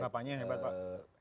bapaknya hebat pak